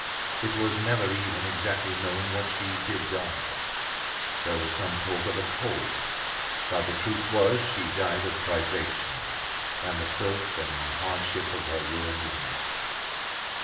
It was never even exactly known what she did die of. There was some talk of a cold, but the truth was she died of privation and of the filth and hardship of her ruined life.